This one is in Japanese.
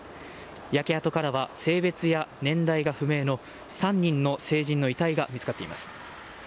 焼け跡からは、性別や年代が不明の３人の成人の遺体が見つかっています。